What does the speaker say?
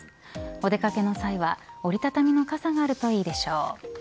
お出掛けの際は折り畳みの傘があるといいでしょう。